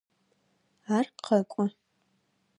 Ар къэкӏо.